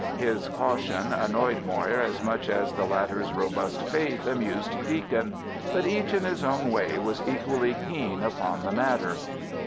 His caution annoyed Moir as much as the latter's robust faith amused Deacon, but each in his own way was equally keen upon the matter.